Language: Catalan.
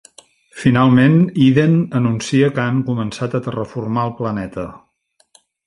Finalment, Eden anuncia que han començat a terraformar el planeta.